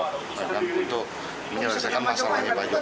untuk menyelesaikan masalahnya pak joko